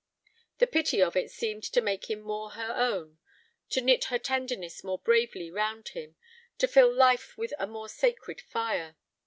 The pity of it seemed to make him more her own, to knit her tenderness more bravely round him, to fill life with a more sacred fire.